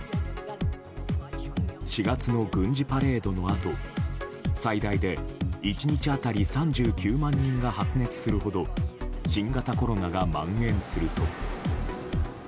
４月の軍事パレードのあと最大で１日当たり３９万人が発熱するほど新型コロナがまん延すると。